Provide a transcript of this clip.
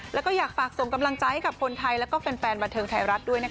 แล้วก็อยากฝากส่งกำลังใจให้กับคนไทยแล้วก็แฟนบันเทิงไทยรัฐด้วย